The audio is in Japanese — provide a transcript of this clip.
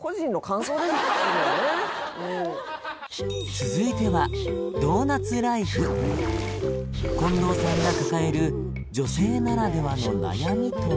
続いては近藤さんが抱える女性ならではの悩みとは？